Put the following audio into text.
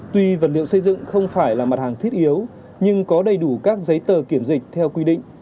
tuy vật liệu xây dựng không phải là mặt hàng thiết yếu nhưng có đầy đủ các giấy tờ kiểm dịch theo quy định